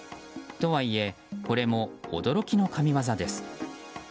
とはいえ、これも驚きの神技です。